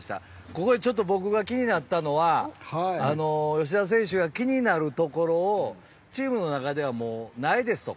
ここでちょっと僕が気になったのは吉田選手が気になるところを聞かれてチームの中では、ないですと。